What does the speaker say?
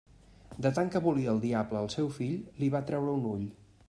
De tant que volia el diable al seu fill, li va treure un ull.